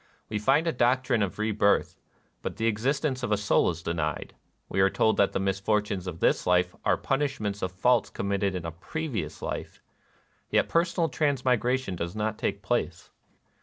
We find a doctrine of rebirth ; but the existence of a soul is denied. We are told that the mis fortunes of this life are punishments of faults committed in a previous life ; yet personal transmigration does not take place.